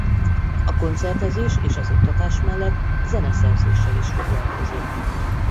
A koncertezés és az oktatás mellett zeneszerzéssel is foglalkozik.